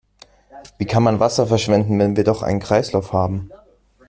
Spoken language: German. Wie kann man Wasser verschwenden, wenn wir doch einen Kreislauf haben?